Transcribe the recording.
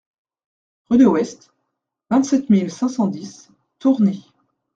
Rue de West, vingt-sept mille cinq cent dix Tourny